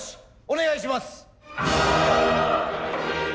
お願いします。